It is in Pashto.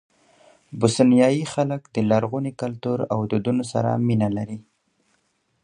بوسنیایي خلک د لرغوني کلتور او دودونو سره مینه لري.